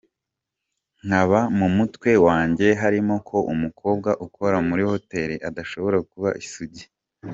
Nkaba mu mutwe wanjye harimo ko umukobwa ukora muri hoteli adashobora kuba isugi.